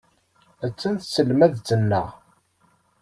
Attan tselmadt-nneɣ.